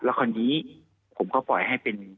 แล้วคราวนี้ผมก็ปล่อยให้เป็น